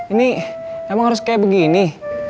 ini emang harus kayak begini